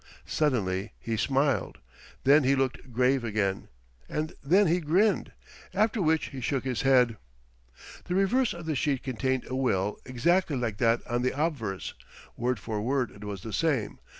Suddenly he smiled. Then he looked grave again. And then he grinned. After which he shook his head. The reverse of the sheet contained a will exactly like that on the obverse. Word for word it was the same.